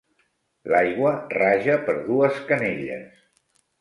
L'aigua raja per dues canelles.